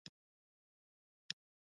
د پښتو مقام پۀ اريائي او نورو زړو ژبو کښې